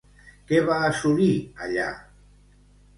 Què va assolir allà?